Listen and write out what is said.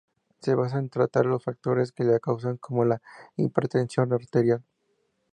Se basa en tratar los factores que la causan, como la hipertensión arterial.